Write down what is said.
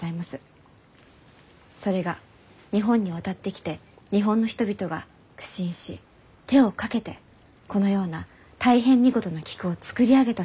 それが日本に渡ってきて日本の人々が苦心し手をかけてこのような大変見事な菊を作り上げたそうにございます。